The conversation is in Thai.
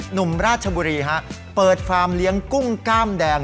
หนุ่มราชบุรีฮะเปิดฟาร์มเลี้ยงกุ้งกล้ามแดง